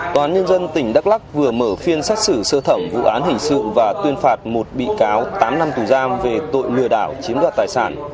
tòa án nhân dân tỉnh đắk lắc vừa mở phiên xét xử sơ thẩm vụ án hình sự và tuyên phạt một bị cáo tám năm tù giam về tội lừa đảo chiếm đoạt tài sản